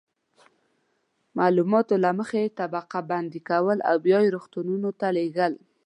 معلومات له مخې یې طبقه بندي کول او بیا یې روغتونونو ته لیږل.